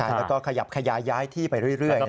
แล้วก็ขยับขยายย้ายที่ไปเรื่อย